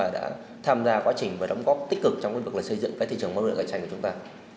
đã tham gia quá trình và đóng góp tích cực trong việc xây dựng thị trường bán buôn điện cạnh tranh của chúng ta